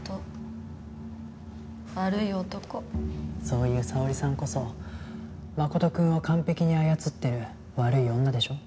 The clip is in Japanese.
そういう紗央莉さんこそ誠くんを完璧に操ってる悪い女でしょ？